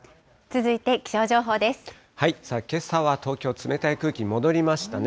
けさは東京、冷たい空気戻りましたね。